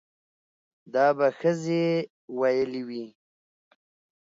دا به ښځې ويلې وي